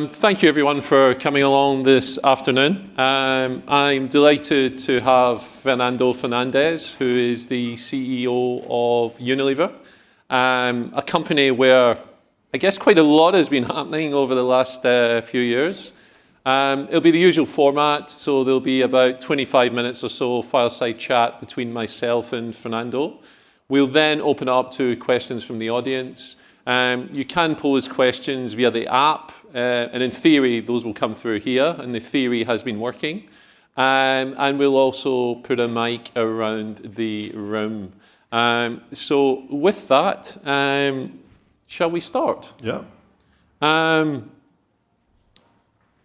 Thank you everyone for coming along this afternoon. I'm delighted to have Fernando Fernandez, who is the CEO of Unilever, a company where I guess quite a lot has been happening over the last few years. It'll be the usual format, there'll be about 25 minutes or so, fireside chat between myself and Fernando. We'll then open up to questions from the audience. You can pose questions via the app, in theory, those will come through here, and the theory has been working. We'll also put a mic around the room. With that, shall we start? Yeah.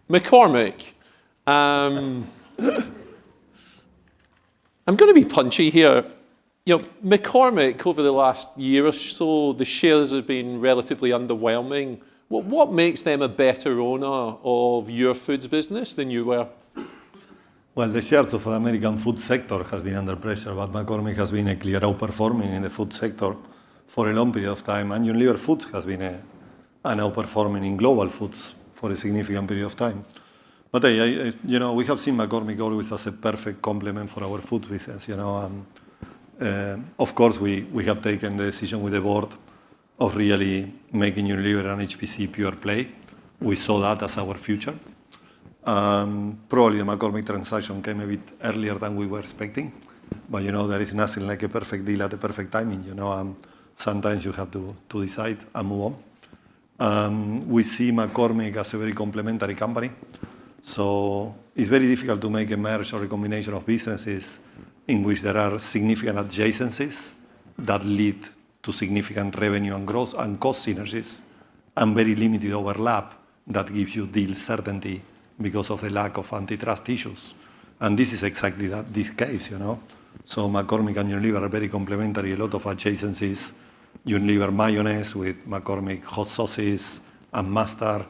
McCormick. I'm going to be punchy here. McCormick over the last year or so, the shares have been relatively underwhelming. What makes them a better owner of your foods business than you were? The shares of American food sector has been under pressure, McCormick has been a clear outperforming in the food sector for a long period of time. Unilever Foods has been an outperforming in global foods for a significant period of time. We have seen McCormick always as a perfect complement for our foods business. Of course, we have taken the decision with the board of really making Unilever an HPC pure play. We saw that as our future. Probably the McCormick transaction came a bit earlier than we were expecting, there is nothing like a perfect deal at the perfect timing. Sometimes you have to decide and move on. We see McCormick as a very complementary company, it's very difficult to make a merger or a combination of businesses in which there are significant adjacencies that lead to significant revenue and growth and cost synergies and very limited overlap that gives you deal certainty because of the lack of antitrust issues. This is exactly this case. McCormick and Unilever are very complementary. A lot of adjacencies. Unilever mayonnaise with McCormick hot sauces and mustard,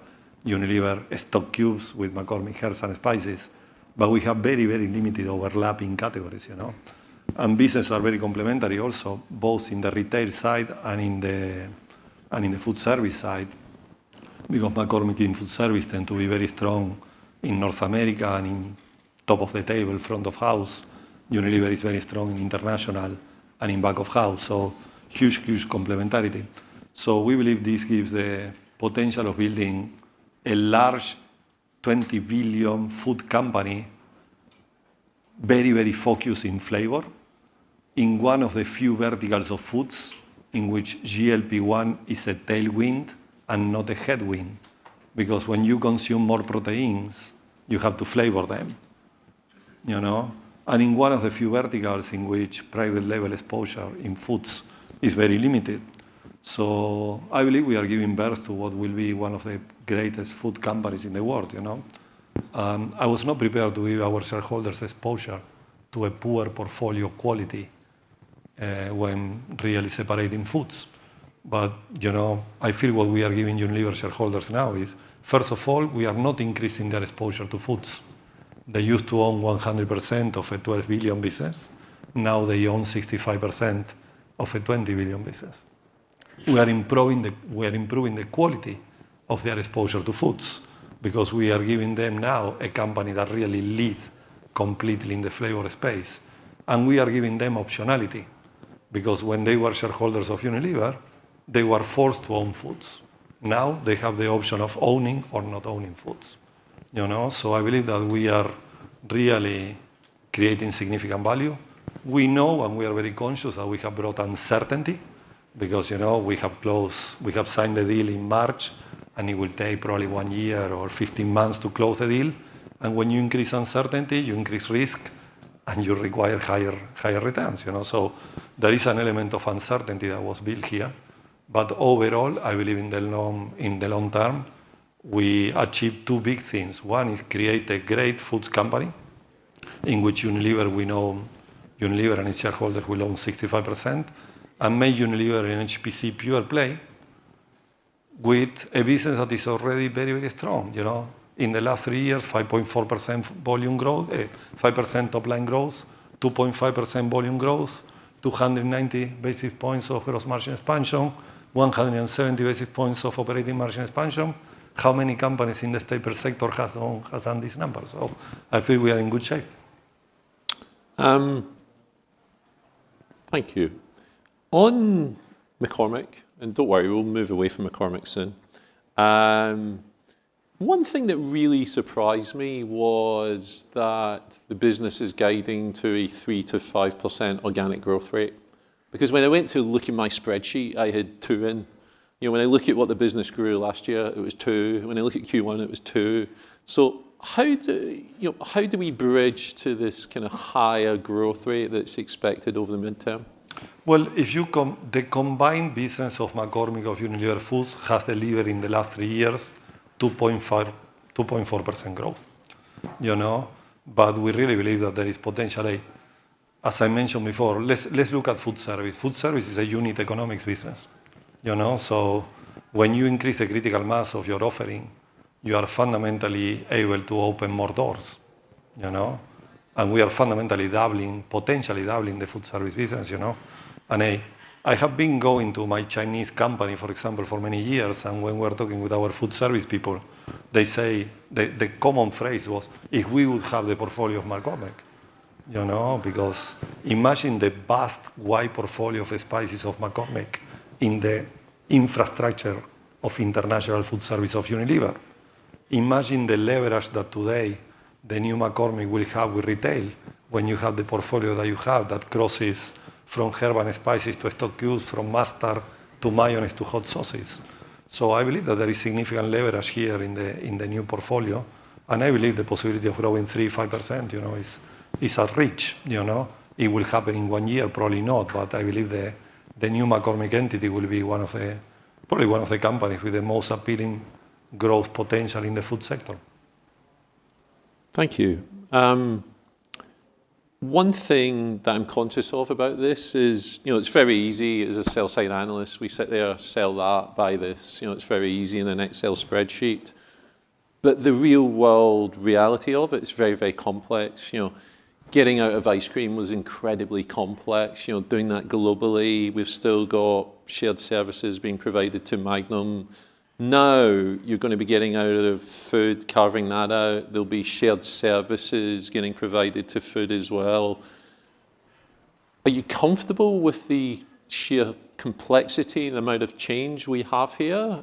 Unilever stock cubes with McCormick herbs and spices. We have very limited overlapping categories. Business are very complementary also, both in the retail side and in the food service side. McCormick in food service tend to be very strong in North America and in top of the table, front of house. Unilever is very strong in international and in back of house, huge complementarity. We believe this gives the potential of building a large 20 billion food company very focused in flavor in one of the few verticals of foods in which GLP-1 is a tailwind and not a headwind, because when you consume more proteins, you have to flavor them. In one of the few verticals in which private label exposure in foods is very limited. I believe we are giving birth to what will be one of the greatest food companies in the world. I was not prepared to give our shareholders exposure to a poor portfolio quality, when really separating foods. I feel what we are giving Unilever shareholders now is, first of all, we are not increasing their exposure to foods. They used to own 100% of a 12 billion business. Now they own 65% of a 20 billion business. We are improving the quality of their exposure to foods because we are giving them now a company that really lives completely in the flavor space. We are giving them optionality, because when they were shareholders of Unilever, they were forced to own foods. Now they have the option of owning or not owning foods. I believe that we are really creating significant value. We know, and we are very conscious that we have brought uncertainty because, we have signed the deal in March, and it will take probably one year or 15 months to close the deal. When you increase uncertainty, you increase risk, and you require higher returns. There is an element of uncertainty that was built here. Overall, I believe in the long term, we achieve two big things. One is create a great foods company in which Unilever we know, Unilever and its shareholders will own 65%, and make Unilever an HPC pure play with a business that is already very strong. In the last three years, 5% top-line growth, 2.5% volume growth, 290 basis points of gross margin expansion, 170 basis points of operating margin expansion. How many companies in the staple sector has done these numbers? I feel we are in good shape. Thank you. On McCormick, don't worry, we'll move away from McCormick soon. One thing that really surprised me was that the business is guiding to a 3%-5% organic growth rate. When I went to look in my spreadsheet, I had 2% in. When I look at what the business grew last year, it was 2%. When I look at Q1, it was 2%. How do we bridge to this kind of higher growth rate that's expected over the midterm? The combined business of McCormick, of Unilever foods has delivered in the last 3 years, 2.4% growth. We really believe that there is potentially, as I mentioned before, let's look at food service. Food service is a unit economics business. When you increase the critical mass of your offering, you are fundamentally able to open more doors. We are fundamentally doubling, potentially doubling the food service business. I have been going to my Chinese company, for example, for many years. When we're talking with our food service people, the common phrase was, "If we will have the portfolio of McCormick." Imagine the vast wide portfolio of the spices of McCormick in the infrastructure of international food service of Unilever. Imagine the leverage that today the new McCormick will have with retail when you have the portfolio that you have that crosses from herbal and spices to stock cubes, from mustard to mayonnaise to hot sauces. I believe that there is significant leverage here in the new portfolio, and I believe the possibility of growing 3%-5% is at reach. It will happen in 1 year, probably not, but I believe the new McCormick entity will be probably 1 of the companies with the most appealing growth potential in the food sector. Thank you. One thing that I'm conscious of about this is it's very easy as a sell-side analyst, we sit there, sell that, buy this. It's very easy in an Excel spreadsheet, but the real-world reality of it is very complex. Getting out of ice cream was incredibly complex, doing that globally. We've still got shared services being provided to Magnum. Now you're going to be getting out of food, carving that out. There'll be shared services getting provided to food as well. Are you comfortable with the sheer complexity and the amount of change we have here?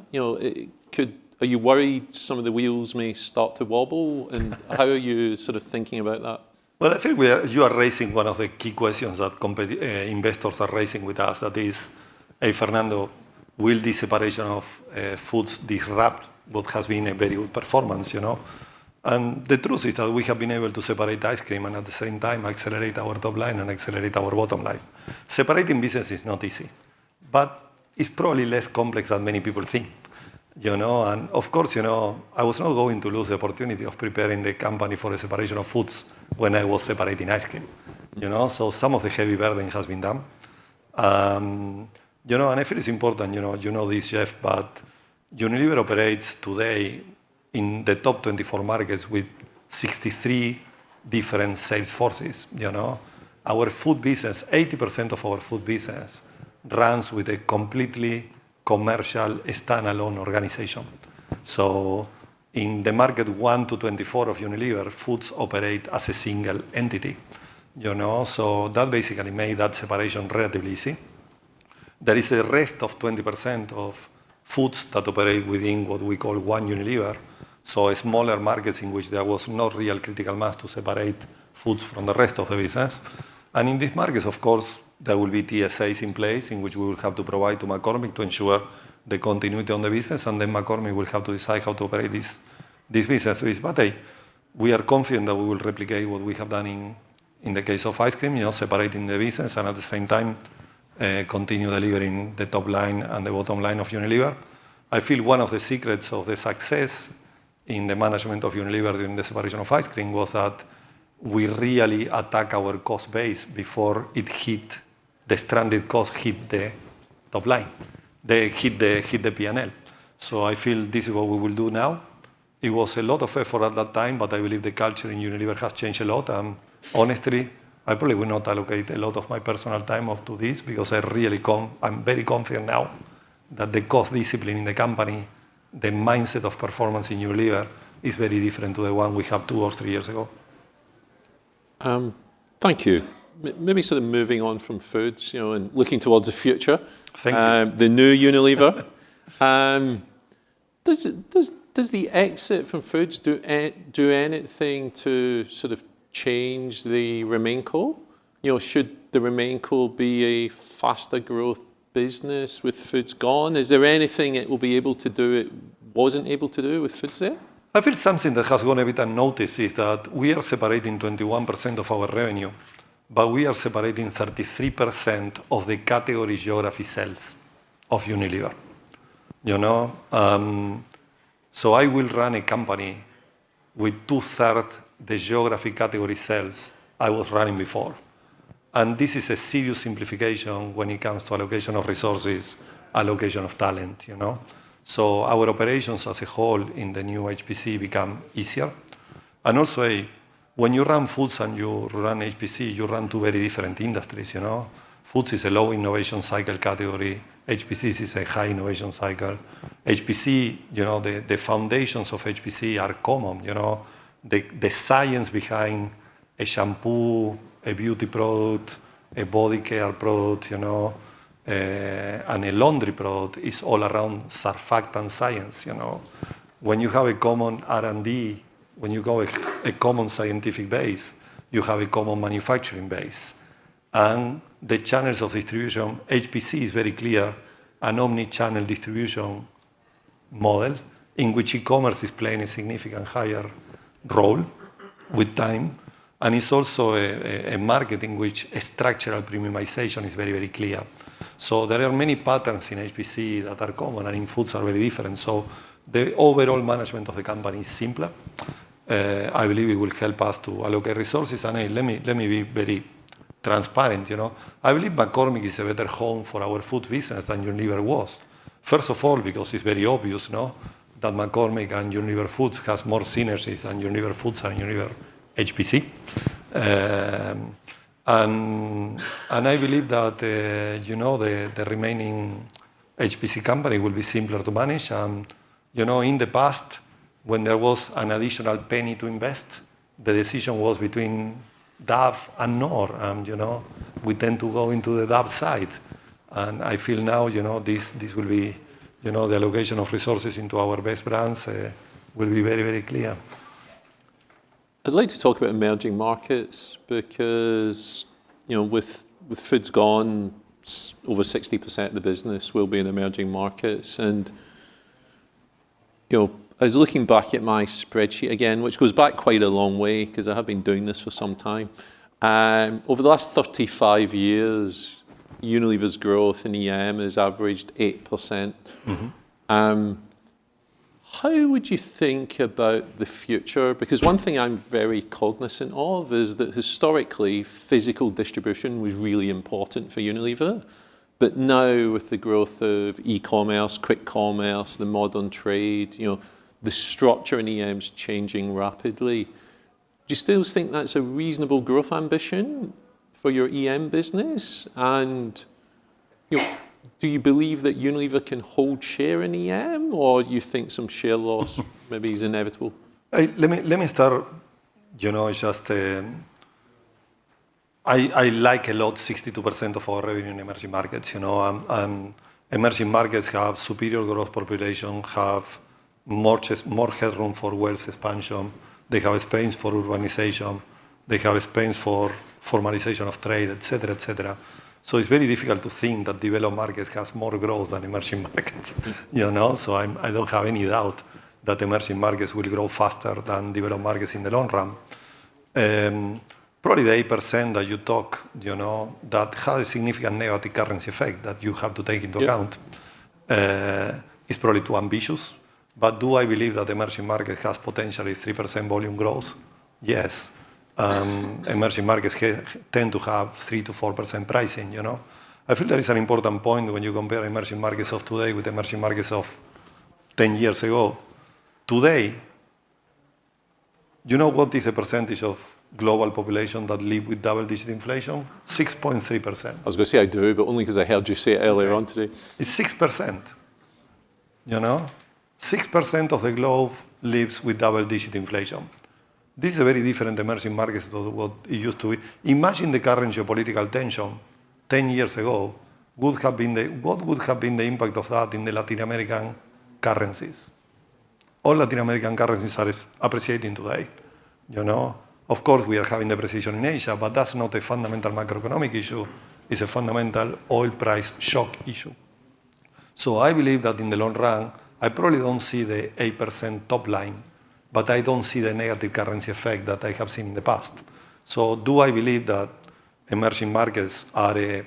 Are you worried some of the wheels may start to wobble? How are you thinking about that? I think you are raising 1 of the key questions that investors are raising with us. That is, "Hey, Fernando, will the separation of Foods disrupt what has been a very good performance?" The truth is that we have been able to separate ice cream and at the same time accelerate our top line and accelerate our bottom line. Separating business is not easy, but it's probably less complex than many people think. Of course, I was not going to lose the opportunity of preparing the company for the separation of Foods when I was separating ice cream. Some of the heavy building has been done. I feel it's important, you know this, Jeff, but Unilever operates today in the top 24 markets with 63 different sales forces. Our food business, 80% of our food business runs with a completely commercial standalone organization. In the market one to 24 of Unilever, Foods operate as a single entity. That basically made that separation relatively easy. There is a rest of 20% of Foods that operate within what we call One Unilever, so smaller markets in which there was no real critical mass to separate Foods from the rest of the business. In these markets, of course, there will be TSAs in place in which we will have to provide to McCormick to ensure the continuity on the business, and then McCormick will have to decide how to operate this business. We are confident that we will replicate what we have done in the case of ice cream, separating the business and at the same time continue delivering the top line and the bottom line of Unilever. I feel one of the secrets of the success in the management of Unilever during the separation of ice cream was that we really attack our cost base before the stranded cost hit the top line. They hit the P&L. I feel this is what we will do now. It was a lot of effort at that time, but I believe the culture in Unilever has changed a lot. Honestly, I probably would not allocate a lot of my personal time off to this because I'm very confident now that the cost discipline in the company, the mindset of performance in Unilever is very different to the one we had two or three years ago. Thank you. Maybe moving on from Foods, looking towards the future. Thank you. The new Unilever. Does the exit from Foods do anything to change the Remain core? Should the Remain core be a faster growth business with Foods gone? Is there anything it will be able to do it wasn't able to do with Foods there? I feel something that has gone a bit unnoticed is that we are separating 21% of our revenue, but we are separating 33% of the category geography sales of Unilever. I will run a company with 2/3 the geographic category sales I was running before. This is a serious simplification when it comes to allocation of resources, allocation of talent. Our operations as a whole in the new HPC become easier. Also when you run Foods and you run HPC, you run two very different industries. Foods is a low innovation cycle category. HPC is a high innovation cycle. The foundations of HPC are common. The science behind a shampoo, a beauty product, a body care product, and a laundry product is all around surfactant science. When you have a common R&D, when you have a common scientific base, you have a common manufacturing base. The channels of distribution, HPC is very clear, an omni-channel distribution model in which e-commerce is playing a significantly higher role with time, and it's also a market in which a structural premiumization is very clear. There are many patterns in HPC that are common, and in Foods are very different. The overall management of the company is simpler. I believe it will help us to allocate resources, and let me be very transparent. I believe McCormick is a better home for our food business than Unilever was. First of all, because it's very obvious now that McCormick and Unilever foods have more synergies than Unilever foods and Unilever HPC. I believe that the remaining HPC company will be simpler to manage. In the past, when there was an additional penny to invest, the decision was between Dove and Knorr, and we tend to go into the Dove side. I feel now this will be the allocation of resources into our best brands will be very clear. I'd like to talk about emerging markets because, with foods gone, over 60% of the business will be in emerging markets. I was looking back at my spreadsheet again, which goes back quite a long way because I have been doing this for some time. Over the last 35 years, Unilever's growth in EM has averaged 8%. How would you think about the future? One thing I'm very cognizant of is that historically, physical distribution was really important for Unilever. Now with the growth of e-commerce, quick commerce, the modern trade, the structure in EM is changing rapidly. Do you still think that's a reasonable growth ambition for your EM business? Do you believe that Unilever can hold share in EM, or you think some share loss maybe is inevitable? Let me start. I like a lot, 62% of our revenue in emerging markets. Emerging markets have superior growth population, have much more headroom for wealth expansion. They have space for urbanization. They have space for formalization of trade, et cetera. It's very difficult to think that developed markets have more growth than emerging markets. I don't have any doubt that emerging markets will grow faster than developed markets in the long run. Probably the 8% that you talk, that has a significant negative currency effect that you have to take into account. Yeah That is probably too ambitious. Do I believe that the emerging market has potentially 3% volume growth? Yes. Emerging markets tend to have 3%-4% pricing. I feel that is an important point when you compare emerging markets of today with emerging markets of 10 years ago. Today, do you know what is the percentage of global population that live with double-digit inflation? 6.3%. I was going to say I do, but only because I heard you say it earlier on today. It is 6%. 6% of the globe lives with double-digit inflation. This is a very different emerging market to what it used to be. Imagine the current geopolitical tension 10 years ago. What would have been the impact of that in the Latin American currencies? All Latin American currencies are appreciating today. Of course, we are having depreciation in Asia, but that is not a fundamental macroeconomic issue, it is a fundamental oil price shock issue. I believe that in the long run, I probably do not see the 8% top line, but I do not see the negative currency effect that I have seen in the past. Do I believe that emerging markets are a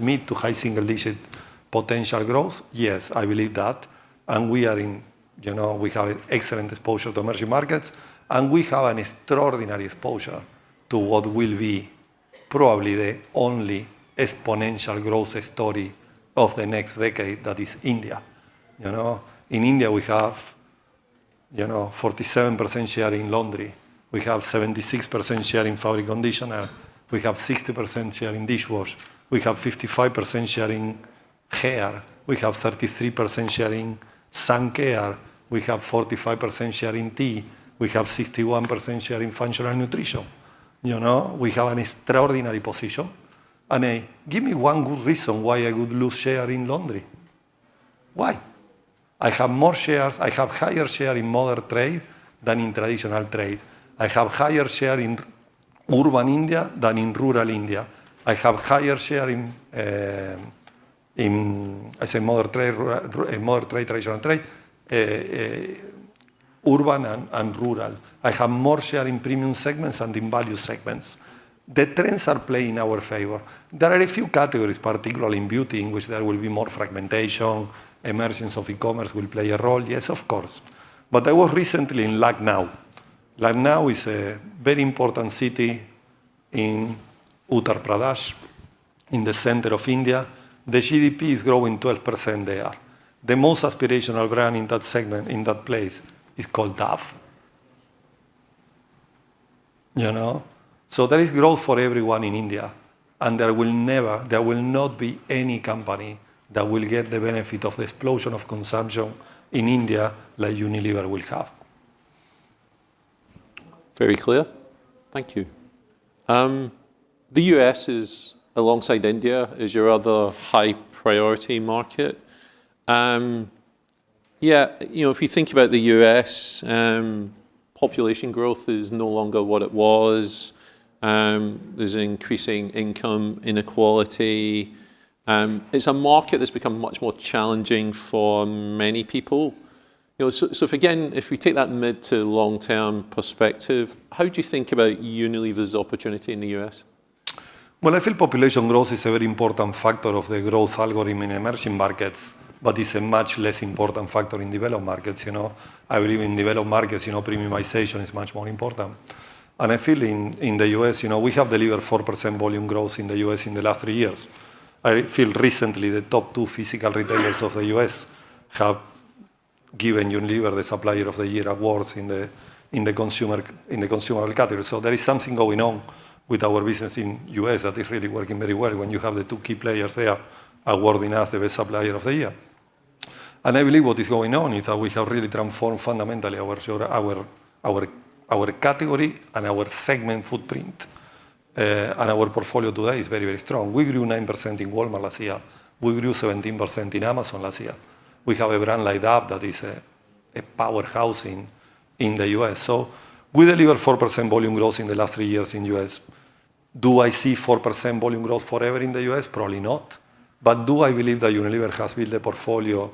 mid to high single-digit potential growth? Yes, I believe that. We have excellent exposure to emerging markets, and we have an extraordinary exposure to what will be probably the only exponential growth story of the next decade, that is India. In India, we have 47% share in laundry. We have 76% share in fabric conditioner. We have 60% share in dishwash. We have 55% share in hair. We have 33% share in sun care. We have 45% share in tea. We have 61% share in functional nutrition. We have an extraordinary position. Give me one good reason why I would lose share in laundry. Why? I have more shares, I have higher share in modern trade than in traditional trade. I have higher share in urban India than in rural India. I have higher share in, I say modern trade, traditional trade, urban and rural. I have more share in premium segments and in value segments. The trends are playing in our favor. There are a few categories, particularly in beauty, in which there will be more fragmentation, emergence of e-commerce will play a role. Yes, of course. I was recently in Lucknow. Lucknow is a very important city in Uttar Pradesh, in the center of India. The GDP is growing 12% there. The most aspirational brand in that segment in that place is called Dove. There is growth for everyone in India, and there will not be any company that will get the benefit of the explosion of consumption in India like Unilever will have. Very clear. Thank you. The U.S. is alongside India as your other high-priority market. If you think about the U.S., population growth is no longer what it was. There's increasing income inequality. It's a market that's become much more challenging for many people. Again, if we take that mid to long-term perspective, how do you think about Unilever's opportunity in the U.S.? Well, I feel population growth is a very important factor of the growth algorithm in emerging markets, but it's a much less important factor in developed markets. I believe in developed markets, premiumization is much more important. I feel in the U.S., we have delivered 4% volume growth in the U.S. in the last three years. I feel recently the top two physical retailers of the U.S. have given Unilever the Supplier of the Year awards in the consumer category. There is something going on with our business in U.S. that is really working very well when you have the two key players there awarding us the Supplier of the Year. I believe what is going on is that we have really transformed fundamentally our category and our segment footprint. Our portfolio today is very, very strong. We grew 9% in Walmart last year. We grew 17% in Amazon last year. We have a brand like Dove that is a powerhouse in the U.S. We delivered 4% volume growth in the last three years in U.S. Do I see 4% volume growth forever in the U.S.? Probably not. Do I believe that Unilever has built a portfolio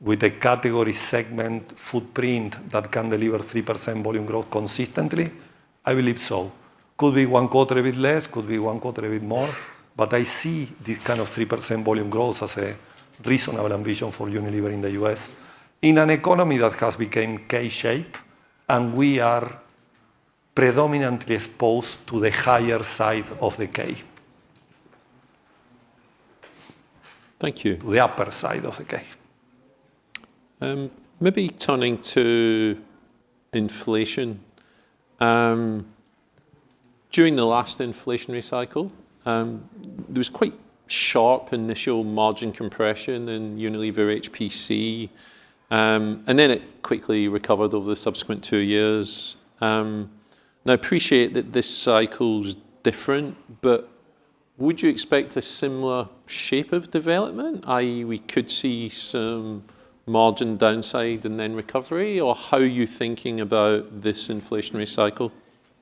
with a category segment footprint that can deliver 3% volume growth consistently? I believe so. Could be one quarter a bit less, could be one quarter a bit more, I see this kind of 3% volume growth as a reasonable ambition for Unilever in the U.S. in an economy that has become K-shaped, and we are predominantly exposed to the higher side of the K. Thank you. The upper side of the K. Turning to inflation. During the last inflationary cycle, there was quite sharp initial margin compression in Unilever HPC, then it quickly recovered over the subsequent two years. I appreciate that this cycle is different, would you expect a similar shape of development, i.e., we could see some margin downside and then recovery? How are you thinking about this inflationary cycle?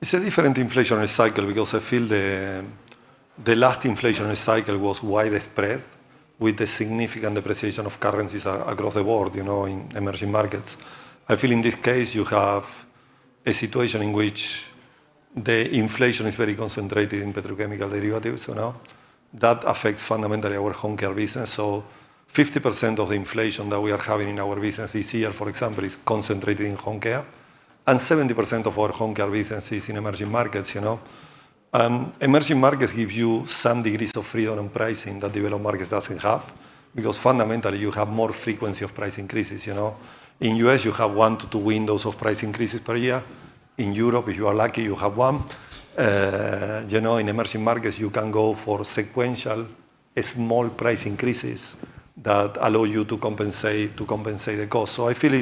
It's a different inflationary cycle I feel the last inflationary cycle was widespread with the significant depreciation of currencies across the world, in emerging markets. I feel in this case, you have a situation in which the inflation is very concentrated in petrochemical derivatives, that affects fundamentally our home care business. 50% of the inflation that we are having in our business this year, for example, is concentrated in home care, and 70% of our home care business is in emerging markets. Emerging markets give you some degrees of freedom in pricing that developed markets doesn't have, fundamentally, you have more frequency of price increases. In U.S., you have one to two windows of price increases per year. In Europe, if you are lucky, you have one. In emerging markets, you can go for sequential small price increases that allow you to compensate the cost. I feel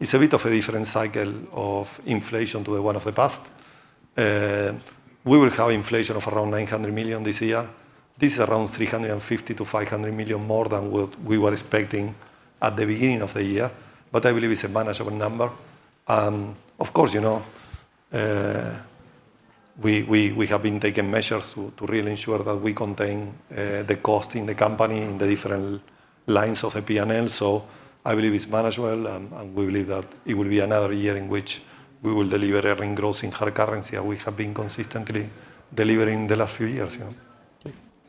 it's a bit of a different cycle of inflation to the one of the past. We will have inflation of around 900 million this year. This is around 350 million-500 million more than what we were expecting at the beginning of the year, I believe it's a manageable number. Of course, we have been taking measures to really ensure that we contain the cost in the company in the different lines of a P&L. I believe it's manageable, we believe that it will be another year in which we will deliver earnings growth in hard currency as we have been consistently delivering the last few years.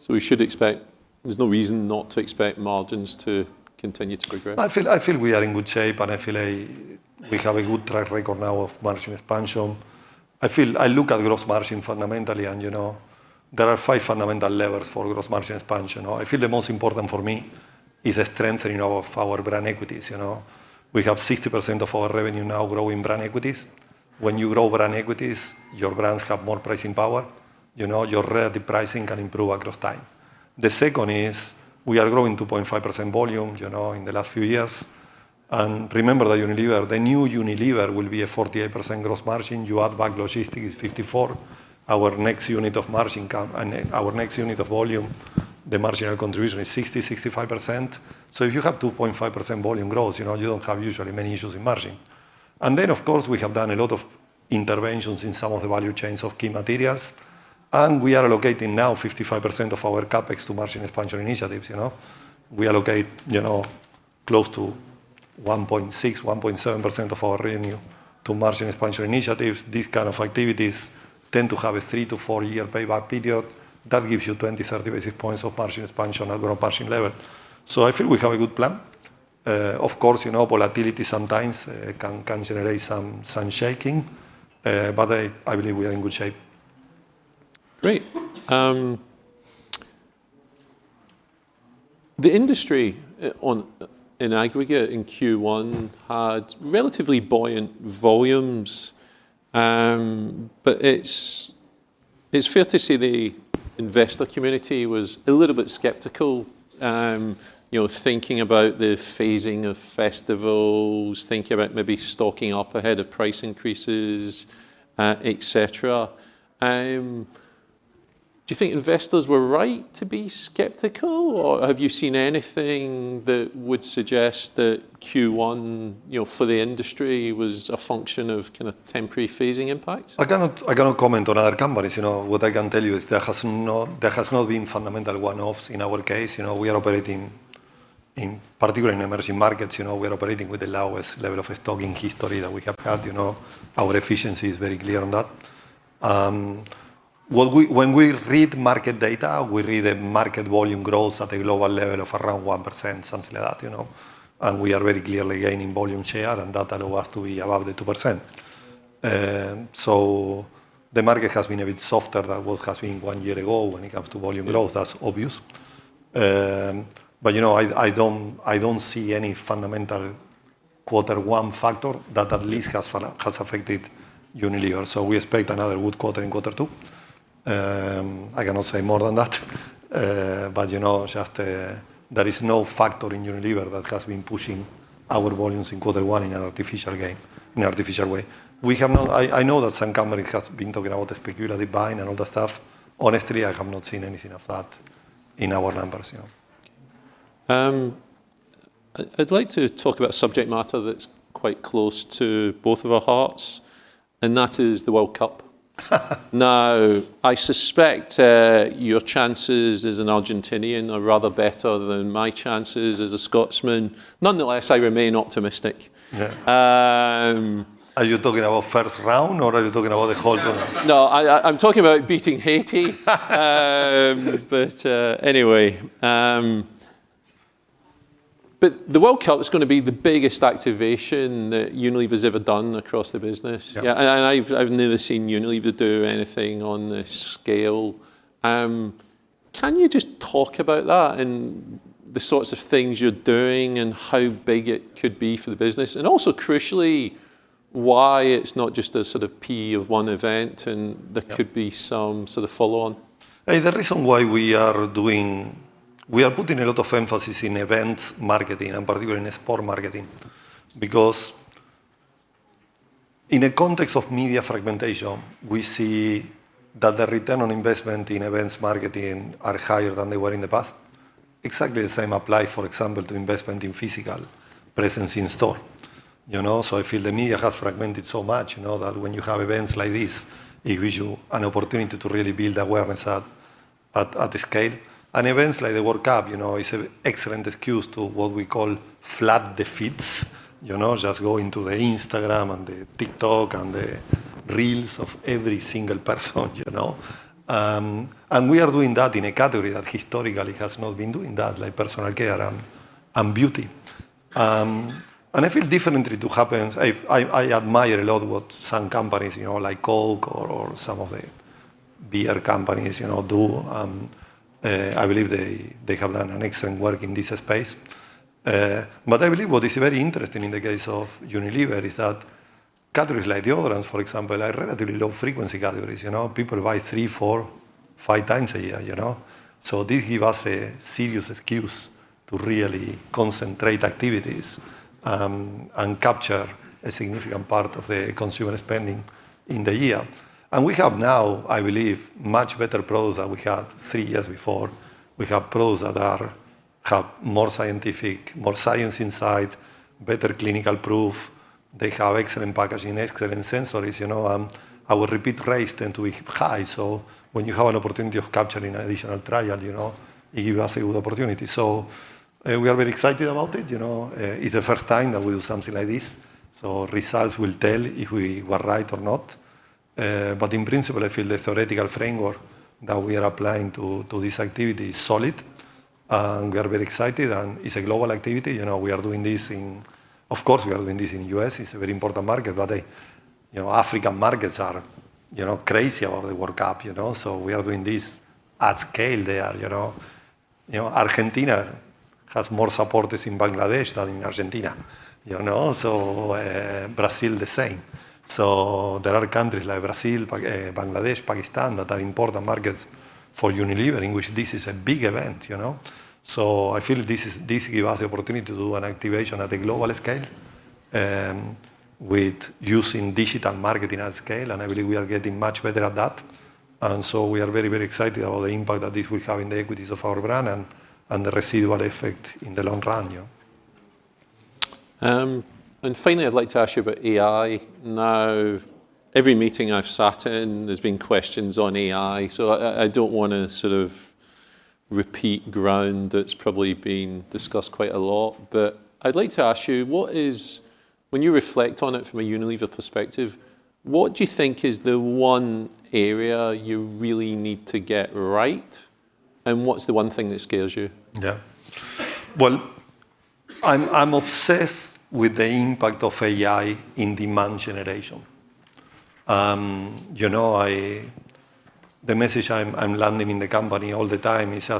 We should expect, there's no reason not to expect margins to continue to progress. I feel we are in good shape, I feel we have a good track record now of margin expansion. I look at gross margin fundamentally, There are five fundamental levers for gross margin expansion. I feel the most important for me is the strengthening of our brand equities. We have 60% of our revenue now grow in brand equities. When you grow brand equities, your brands have more pricing power, your relative pricing can improve across time. The second is we are growing 2.5% volume, in the last few years. Remember that Unilever, the new Unilever will be a 48% gross margin. You add back logistics, it's 54%. Our next unit of margin come, our next unit of volume, the marginal contribution is 60%-65%. If you have 2.5% volume growth, you don't have usually many issues in margin. Of course, we have done a lot of interventions in some of the value chains of key materials, and we are allocating now 55% of our CapEx to margin expansion initiatives. We allocate close to 1.6%-1.7% of our revenue to margin expansion initiatives. These kind of activities tend to have a three to four year payback period. That gives you 20-30 basis points of margin expansion at gross margin level. I feel we have a good plan. Of course, volatility sometimes can generate some shaking, I believe we are in good shape. Great. The industry in aggregate in Q1 had relatively buoyant volumes, It's fair to say the investor community was a little bit skeptical, thinking about the phasing of festivals, thinking about maybe stocking up ahead of price increases, et cetera. Do you think investors were right to be skeptical, Have you seen anything that would suggest that Q1, for the industry, was a function of kind of temporary phasing impacts? I cannot comment on other companies. What I can tell you is there has not been fundamental one-offs in our case. We are operating in particular in emerging markets, we are operating with the lowest level of stock in history that we have had. Our efficiency is very clear on that. When we read market data, we read market volume growth at a global level of around 1%, something like that. We are very clearly gaining volume share and data has to be above the 2%. The market has been a bit softer than what it has been one year ago when it comes to volume growth. That's obvious. I don't see any fundamental quarter one factor that at least has affected Unilever. We expect another good quarter in quarter two. I cannot say more than that. There is no factor in Unilever that has been pushing our volumes in quarter one in an artificial way. I know that some companies have been talking about the speculative buying and all that stuff. Honestly, I have not seen anything of that in our numbers. I'd like to talk about a subject matter that's quite close to both of our hearts, and that is the World Cup. Now, I suspect your chances as an Argentinian are rather better than my chances as a Scotsman. Nonetheless, I remain optimistic. Yeah. Um- Are you talking about first round or are you talking about the whole tournament? No, I'm talking about beating Haiti. Anyway. The World Cup is going to be the biggest activation that Unilever's ever done across the business. Yeah. I've never seen Unilever do anything on this scale. Can you just talk about that and the sorts of things you're doing and how big it could be for the business, and also crucially, why it's not just a sort of P of one event and there could be some sort of follow on. The reason why we are putting a lot of emphasis in event marketing and particularly in sport marketing, because in a context of media fragmentation, we see that the return on investment in events marketing are higher than they were in the past. Exactly the same apply, for example, to investment in physical presence in store. I feel the media has fragmented so much, that when you have events like this, it gives you an opportunity to really build awareness at the scale. Events like the World Cup is an excellent excuse to what we call flood the feeds. Just go into the Instagram and the TikTok and the reels of every single person. We are doing that in a category that historically has not been doing that, like personal care and beauty. I feel differently to happens. I admire a lot what some companies like Coke or some of the beer companies do. I believe they have done an excellent work in this space. I believe what is very interesting in the case of Unilever is that categories like deodorants, for example, are relatively low frequency categories. People buy three, four, five times a year. This give us a serious excuse to really concentrate activities, and capture a significant part of the consumer spending in the year. We have now, I believe, much better products than we had three years before. We have products that have more scientific, more science inside, better clinical proof. They have excellent packaging, excellent sensories. Our repeat rates tend to be high, when you have an opportunity of capturing an additional trial, it gives us a good opportunity. We are very excited about it. It's the first time that we do something like this, so results will tell if we were right or not. In principle, I feel the theoretical framework that we are applying to this activity is solid. We are very excited. It's a global activity. Of course we are doing this in the U.S., it's a very important market. The African markets are crazy about the World Cup, so we are doing this at scale there. Argentina has more supporters in Bangladesh than in Argentina. Brazil the same. There are countries like Brazil, Bangladesh, Pakistan, that are important markets for Unilever, in which this is a big event. I feel this give us the opportunity to do an activation at a global scale, with using digital marketing at scale. I believe we are getting much better at that. We are very excited about the impact that this will have in the equities of our brand and the residual effect in the long run. Finally, I'd like to ask you about AI. Every meeting I've sat in, there's been questions on AI. I don't want to sort of repeat ground that's probably been discussed quite a lot. I'd like to ask you, when you reflect on it from a Unilever perspective, what do you think is the one area you really need to get right? What's the one thing that scares you? Yeah. Well, I'm obsessed with the impact of AI in demand generation. The message I'm landing in the company all the time is,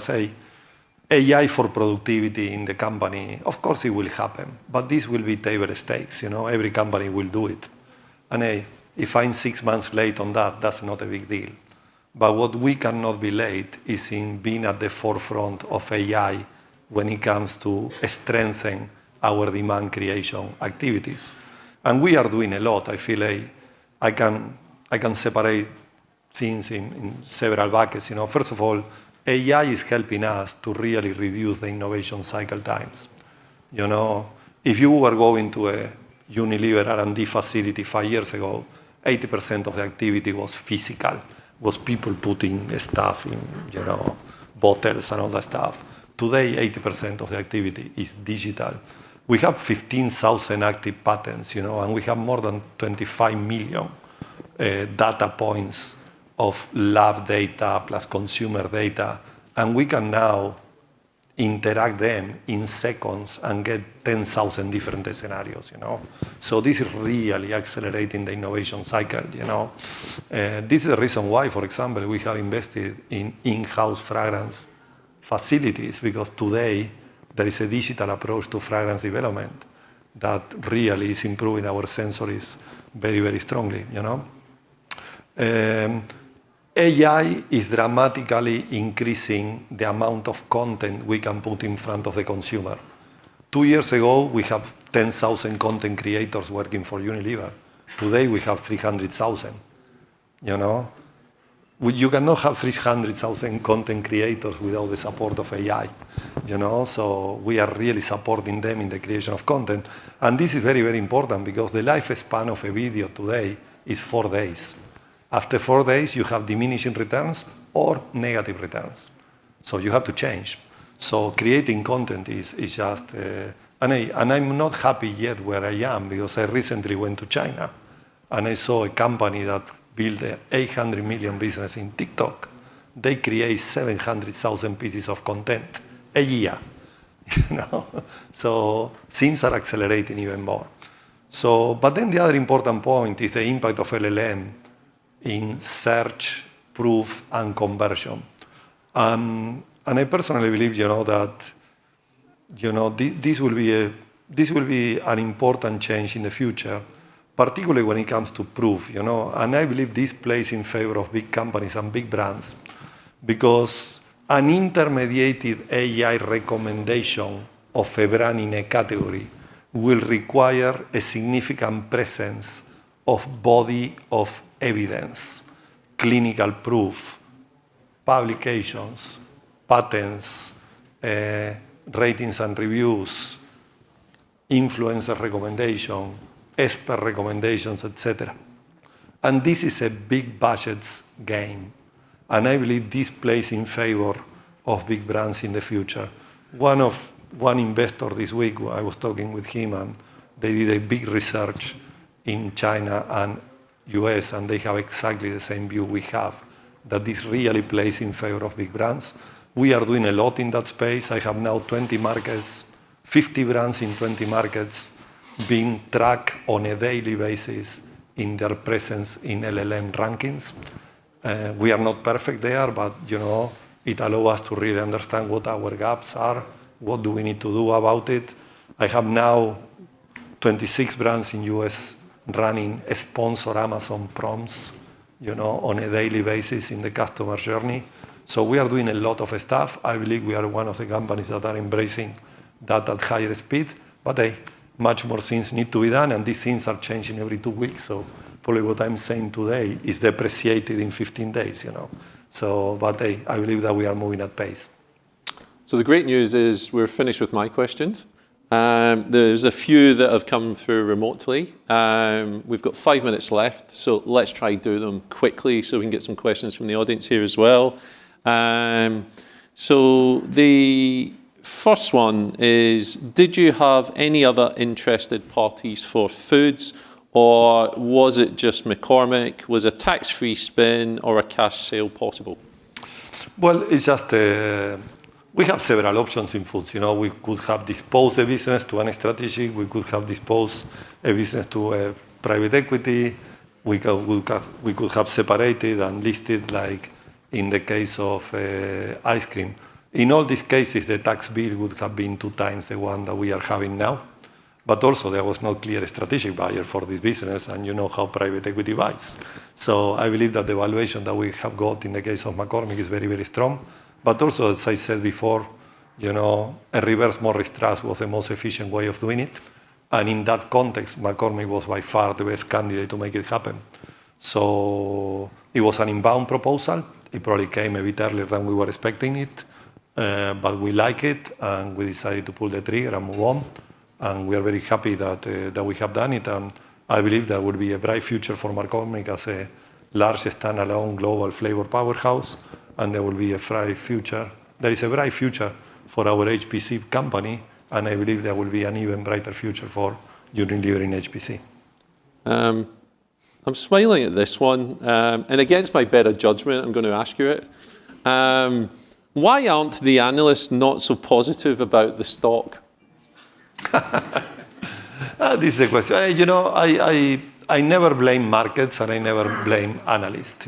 AI for productivity in the company, of course it will happen. This will be table stakes. Every company will do it. If I'm 6 months late on that's not a big deal. What we cannot be late is in being at the forefront of AI when it comes to strengthening our demand creation activities. We are doing a lot. I feel I can separate things in several buckets. First of all, AI is helping us to really reduce the innovation cycle times. If you were going to a Unilever R&D facility 5 years ago, 80% of the activity was physical, people putting stuff in bottles and all that stuff. Today, 80% of the activity is digital. We have 15,000 active patents, and we have more than 25 million data points of lab data plus consumer data, and we can now interact them in seconds and get 10,000 different scenarios. This is really accelerating the innovation cycle. This is the reason why, for example, we have invested in in-house fragrance facilities, because today there is a digital approach to fragrance development that really is improving our sensories very strongly. AI is dramatically increasing the amount of content we can put in front of the consumer. Two years ago, we have 10,000 content creators working for Unilever. Today, we have 300,000. You cannot have 300,000 content creators without the support of AI. We are really supporting them in the creation of content, and this is very important because the lifespan of a video today is four days. After four days, you have diminishing returns or negative returns, you have to change. Creating content is just-- I'm not happy yet where I am because I recently went to China, and I saw a company that built an 800 million business in TikTok. They create 700,000 pieces of content a year. Things are accelerating even more. The other important point is the impact of LLM in search, proof, and conversion. I personally believe that this will be an important change in the future, particularly when it comes to proof. I believe this plays in favor of big companies and big brands because an intermediated AI recommendation of a brand in a category will require a significant presence of body of evidence, clinical proof, publications, patents, ratings and reviews, influencer recommendation, expert recommendations, et cetera. This is a big budgets game, and I believe this plays in favor of big brands in the future. One investor this week, I was talking with him, and they did a big research in China and U.S., and they have exactly the same view we have, that this really plays in favor of big brands. We are doing a lot in that space. I have now 20 markets, 50 brands in 20 markets being tracked on a daily basis in their presence in LLM rankings. We are not perfect there, but it allow us to really understand what our gaps are, what do we need to do about it. I have now 26 brands in U.S. running sponsored Amazon prompts on a daily basis in the customer journey. We are doing a lot of stuff. I believe we are one of the companies that are embracing that at higher speed. Much more things need to be done, and these things are changing every two weeks. Probably what I'm saying today is depreciated in 15 days. I believe that we are moving at pace. The great news is we're finished with my questions. There's a few that have come through remotely. We've got five minutes left. Let's try do them quickly so we can get some questions from the audience here as well. The first one is, did you have any other interested parties for Foods, or was it just McCormick? Was a tax-free spin or a cash sale possible? We have several options in Foods. We could have disposed the business to any strategy. We could have disposed a business to a private equity. We could have separated and listed like in the case of ice cream. In all these cases, the tax bill would have been 2 times the one that we are having now. There was no clear strategic buyer for this business, and you know how private equity buys. I believe that the valuation that we have got in the case of McCormick is very strong. As I said before, a Reverse Morris Trust was the most efficient way of doing it. In that context, McCormick was by far the best candidate to make it happen. It was an inbound proposal. It probably came a bit earlier than we were expecting it. We like it, and we decided to pull the trigger and move on. We are very happy that we have done it. I believe there would be a bright future for McCormick as a large standalone global flavor powerhouse, and there is a bright future for our HPC company, and I believe there will be an even brighter future for Unilever in HPC. I'm smiling at this one. Against my better judgment, I'm going to ask you it. Why aren't the analysts not so positive about the stock? I never blame markets. I never blame analysts.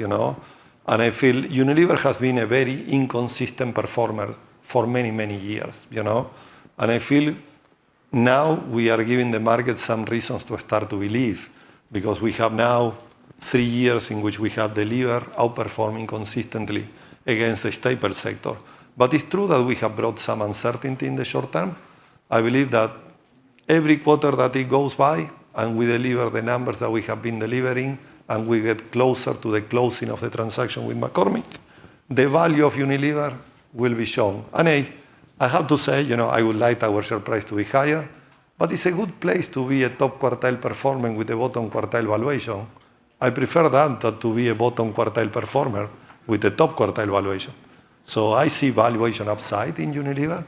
I feel Unilever has been a very inconsistent performer for many years. I feel now we are giving the market some reasons to start to believe, because we have now three years in which we have Unilever outperforming consistently against the staple sector. It's true that we have brought some uncertainty in the short term. I believe that every quarter that it goes by, and we deliver the numbers that we have been delivering, and we get closer to the closing of the transaction with McCormick, the value of Unilever will be shown. I have to say, I would like our share price to be higher. It's a good place to be a top quartile performer with a bottom quartile valuation. I prefer that than to be a bottom quartile performer with a top quartile valuation. I see valuation upside in Unilever.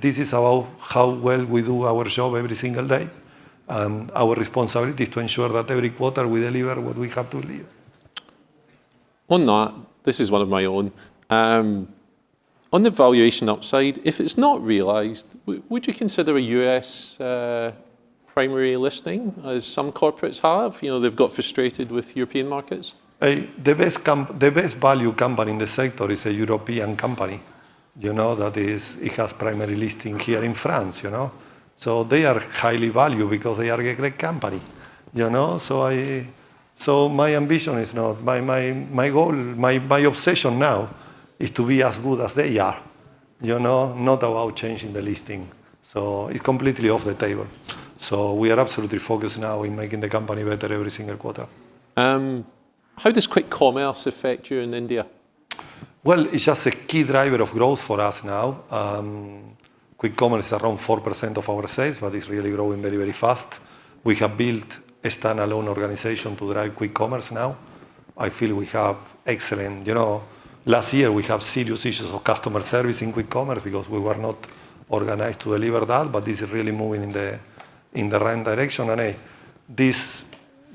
This is about how well we do our job every single day. Our responsibility is to ensure that every quarter we deliver what we have to deliver. On that, this is one of my own. On the valuation upside, if it's not realized, would you consider a U.S. primary listing, as some corporates have? They've got frustrated with European markets. The best value company in the sector is a European company that it has primary listing here in France. They are highly valued because they are a great company. My ambition is now, my goal, my obsession now is to be as good as they are, not about changing the listing. It's completely off the table. We are absolutely focused now on making the company better every single quarter. How does quick commerce affect you in India? Well, it's just a key driver of growth for us now. Quick commerce is around 4% of our sales, but it's really growing very fast. We have built a standalone organization to drive quick commerce now. I feel we have excellent Last year, we have serious issues of customer service in quick commerce because we were not organized to deliver that, but this is really moving in the right direction.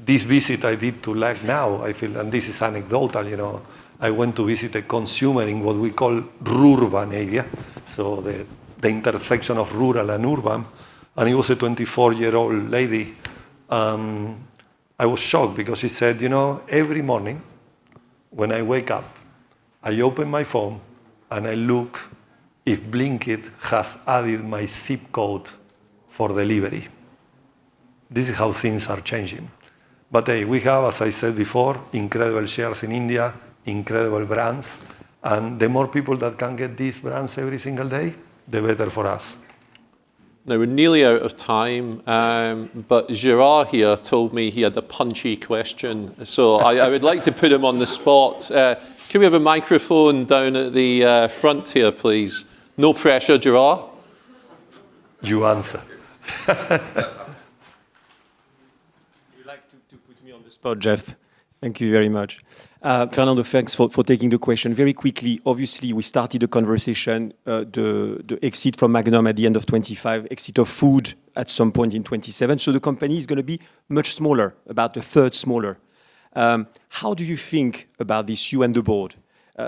This visit I did to Lucknow, I feel, and this is anecdotal. I went to visit a consumer in what we call rurban area, so the intersection of rural and urban, and it was a 24-year-old lady. I was shocked because she said, "Every morning when I wake up, I open my phone and I look if Blinkit has added my ZIP code for delivery." This is how things are changing. We have, as I said before, incredible shares in India, incredible brands, and the more people that can get these brands every single day, the better for us. Now we're nearly out of time, but Gerard here told me he had a punchy question, so I would like to put him on the spot. Can we have a microphone down at the front here, please? No pressure, Gerard. You answer. You like to put me on the spot, Jeff. Thank you very much. Fernando, thanks for taking the question very quickly. Obviously, we started a conversation, the exit from Magnum at the end of 2025, exit of food at some point in 2027. The company is going to be much smaller, about a third smaller. How do you think about this, you and the board?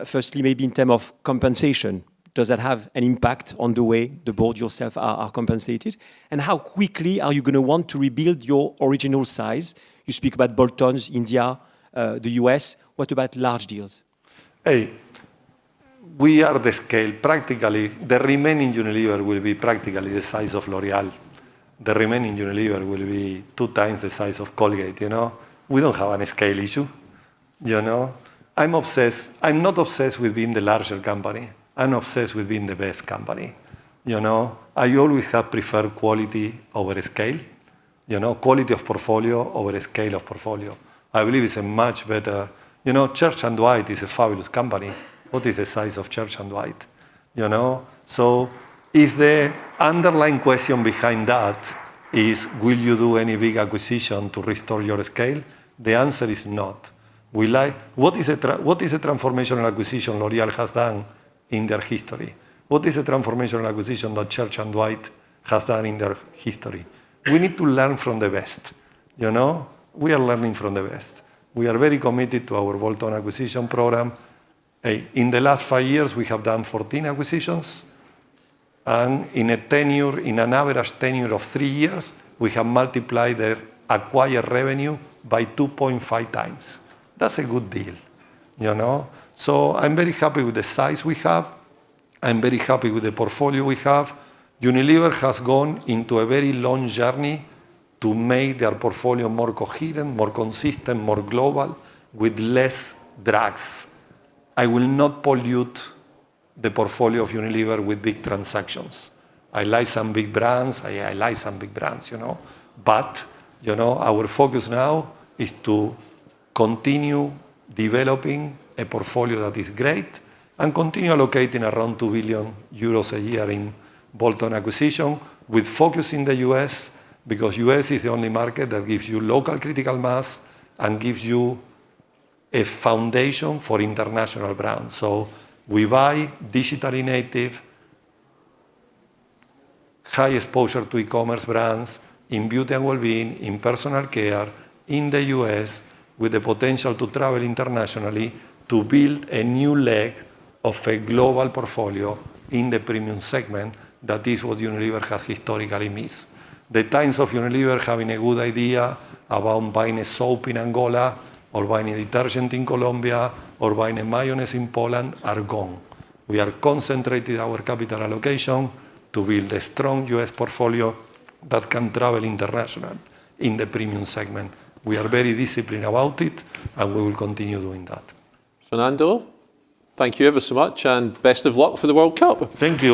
Firstly, maybe in terms of compensation, does that have an impact on the way the board, yourself are compensated? How quickly are you going to want to rebuild your original size? You speak about bolt-ons, India, the U.S. What about large deals? We are the scale. Practically, the remaining Unilever will be practically the size of L'Oréal. The remaining Unilever will be two times the size of Colgate-Palmolive. We don't have any scale issue. I'm not obsessed with being the largest company. I'm obsessed with being the best company. I always have preferred quality over scale, quality of portfolio over scale of portfolio. I believe it's a much better Church & Dwight is a fabulous company. What is the size of Church & Dwight? If the underlying question behind that is, will you do any big acquisition to restore your scale? The answer is not. What is the transformational acquisition L'Oréal has done in their history? What is the transformational acquisition that Church & Dwight has done in their history? We need to learn from the best. We are learning from the best. We are very committed to our bolt-on acquisition program. In the last five years, we have done 14 acquisitions, and in an average tenure of three years, we have multiplied their acquired revenue by 2.5 times. That's a good deal. I'm very happy with the size we have. I'm very happy with the portfolio we have. Unilever has gone into a very long journey to make their portfolio more coherent, more consistent, more global with less drags. I will not pollute the portfolio of Unilever with big transactions. I like some big brands, but our focus now is to continue developing a portfolio that is great and continue allocating around 2 billion euros a year in bolt-on acquisition with focus in the U.S., because the U.S. is the only market that gives you local critical mass and gives you a foundation for international brands. We buy digitally native high exposure to e-commerce brands in beauty and wellbeing, in personal care in the U.S. with the potential to travel internationally to build a new leg of a global portfolio in the premium segment that is what Unilever has historically missed. The times of Unilever having a good idea about buying a soap in Angola or buying a detergent in Colombia or buying a mayonnaise in Poland are gone. We are concentrating our capital allocation to build a strong U.S. portfolio that can travel international in the premium segment. We are very disciplined about it, and we will continue doing that. Fernando, thank you ever so much and best of luck for the World Cup. Thank you.